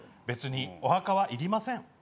別にお墓はいりません。